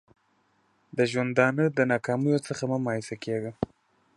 د ژوندانه د ناکامیو څخه مه مایوسه کېږه!